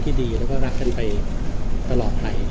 ที่ดักรักกันไปตลอดไป